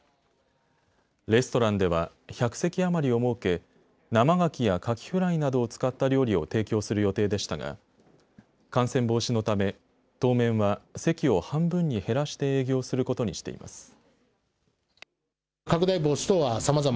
レストランでは１００席余りを設け生がきやかきフライなどを使った料理を提供する予定でしたが感染防止のため当面は席を半分に減らして営業することにしています。